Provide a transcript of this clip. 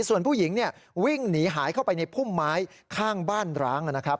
ส่วนผู้หญิงวิ่งหนีหายเข้าไปในพุ่มไม้ข้างบ้านร้างนะครับ